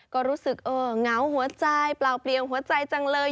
ก็รู้สึกเออเหงาหัวใจเปล่าเปลี่ยวหัวใจจังเลย